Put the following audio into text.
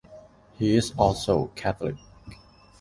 He is also Catholic.